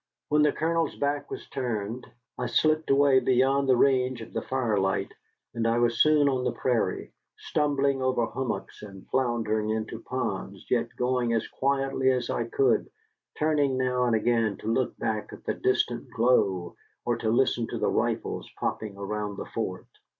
When the Colonel's back was turned I slipped away beyond the range of the firelight, and I was soon on the prairie, stumbling over hummocks and floundering into ponds, yet going as quietly as I could, turning now and again to look back at the distant glow or to listen to the rifles popping around the fort.